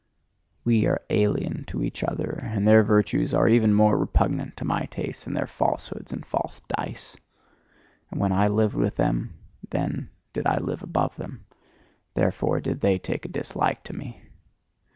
We are alien to each other, and their virtues are even more repugnant to my taste than their falsehoods and false dice. And when I lived with them, then did I live above them. Therefore did they take a dislike to me.